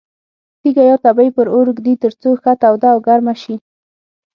تیږه یا تبۍ پر اور ږدي ترڅو ښه توده او ګرمه شي.